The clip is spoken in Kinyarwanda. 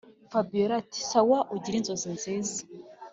fabiora ati”sawa ugire inzozi nziza